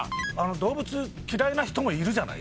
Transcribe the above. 動物嫌いな人もいるじゃないですか。